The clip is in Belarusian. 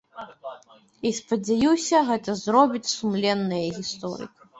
І, спадзяюся, гэта зробяць сумленныя гісторыкі.